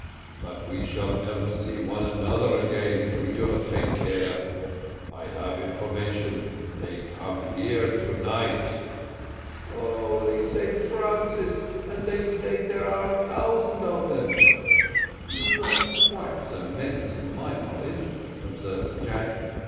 "No; but we shall never see one another again, if we do not take care. I have information they come here to night." "Holy Saint Francis! and they say there are a thousand of them." "Not quite so many, to my knowledge," observed Jack.